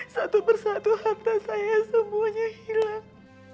satu persatu harta saya semuanya hilang